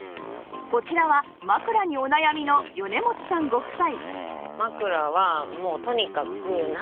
こちらは枕にお悩みの米持さんご夫妻